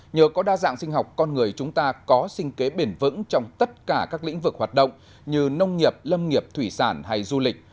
nhờ có đa dạng sinh học con người chúng ta có sinh kế bền vững trong tất cả các lĩnh vực hoạt động như nông nghiệp lâm nghiệp thủy sản hay du lịch